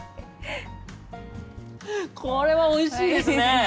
これはおいしいですね。